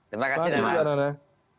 terima kasih pak